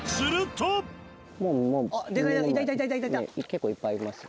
結構いっぱいいますね。